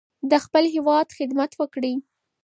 د خپل هیواد خدمت وکړئ.